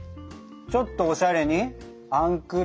ちょっとおしゃれにアンクル？